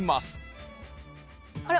あれ？